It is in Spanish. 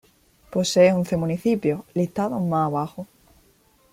Posee once municipios, listados más abajo.